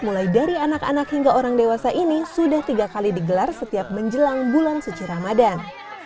mulai dari anak anak hingga orang dewasa ini sudah tiga kali digelar setiap menjelang bulan suci ramadan